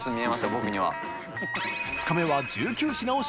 僕には。